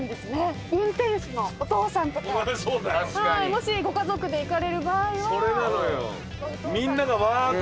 もしご家族で行かれる場合は。